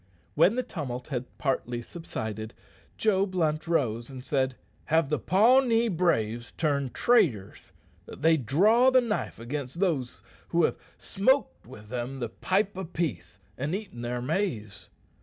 When the tumult had partly subsided, Joe Blunt rose and said, "Have the Pawnee braves turned traitors that they draw the knife against those who have smoked with them the pipe of peace and eaten their maize?